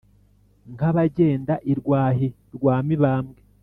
nk’abagenda i rwahi rwa mibambwe*.